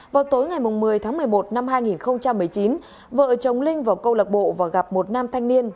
vào tối ngày một mươi tháng một mươi một năm hai nghìn một mươi chín vợ chồng linh vào câu lạc bộ và gặp một nam thanh niên